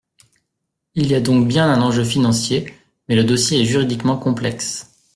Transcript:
Il y a donc bien un enjeu financier, mais le dossier est juridiquement complexe.